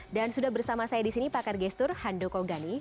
dan sudah bersama saya di sini pakar gestur hando kogani